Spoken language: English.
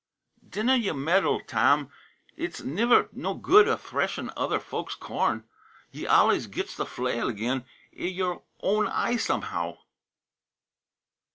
"Dinna ye meddle, Tam; it's niver no good a threshin' other folks' corn; ye allays gits the flail agin' i' yer own eye somehow."